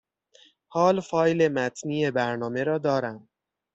حال فایل متنی برنامه را دارم.